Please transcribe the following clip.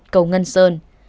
một cầu ngân sơn